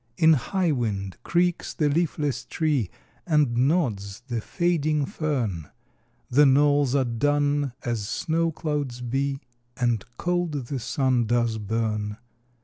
In high wind creaks the leafless tree And nods the fading fern: The knolls are dun as snow clouds be, And cold the sun does burn.